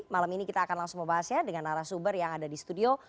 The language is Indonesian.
malam ini kita akan langsung membahasnya dengan arah sumber yang ada di studio